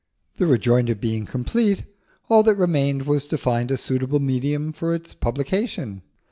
The rejoinder being complete, all that remained was to find a suitable medium for its publication.